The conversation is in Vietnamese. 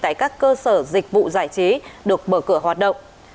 tại các cơ sở dịch vụ giải trí được mở cửa hoạt động